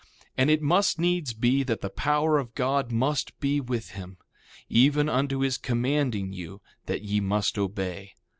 1:27 And it must needs be that the power of God must be with him, even unto his commanding you that ye must obey.